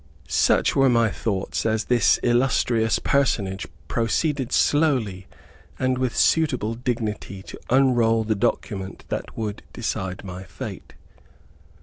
Such were my thoughts as this illustrious personage proceeded slowly, and with suitable dignity, to unroll the document that would decide my fate.